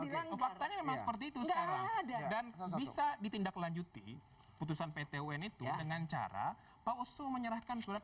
bilang bakan yang seperti itu dan bisa ditindaklanjuti putusan pt un itu dengan cara pausu menyerahkan surat